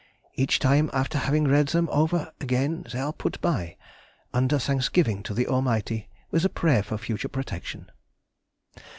Each time after having read them over again they are put by, under thanksgiving to the Almighty, with a prayer for future protection.